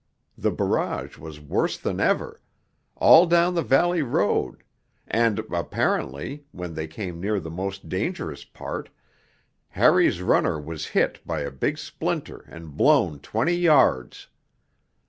The barrage was worse than ever, all down the valley road, and, apparently, when they came near the most dangerous part, Harry's runner was hit by a big splinter and blown twenty yards.